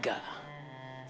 gambarnya daun singkong tiga